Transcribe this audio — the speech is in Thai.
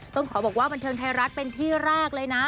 ต้องขอบอกว่าบันเทิงไทยรัฐเป็นที่แรกเลยนะ